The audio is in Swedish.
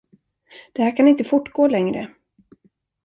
Det här kan inte fortgå längre!